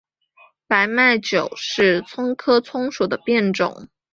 白脉韭是葱科葱属的变种。